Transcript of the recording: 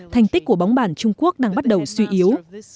thành tích của bóng bàn trung quốc đang bắt đầu suy yếu